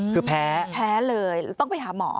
คือแพ้แพ้เลยต้องไปหาหมอ